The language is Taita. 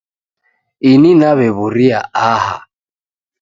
Ini naw'ew'uria aha.